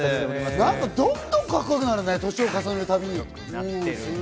なんかどんどんカッコよくなるね、年を重ねるたびに。